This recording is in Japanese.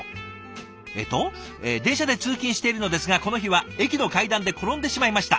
えっと「電車で通勤しているのですがこの日は駅の階段で転んでしまいました。